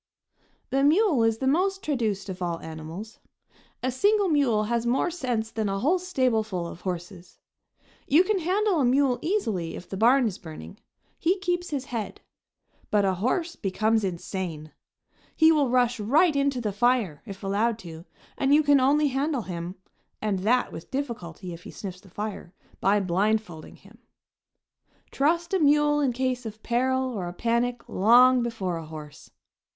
The mule is the most traduced of all animals. A single mule has more sense than a whole stableful of horses. You can handle a mule easily if the barn is burning; he keeps his head; but a horse becomes insane. He will rush right into the fire, if allowed to, and you can only handle him, and that with difficulty if he sniffs the fire, by blindfolding him. Trust a mule in case of peril or a panic long before a horse.